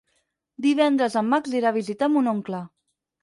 Divendres en Max irà a visitar mon oncle.